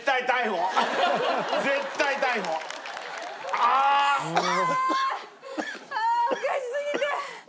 ああおかしすぎて！